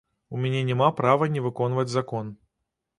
У мяне няма права не выконваць закон.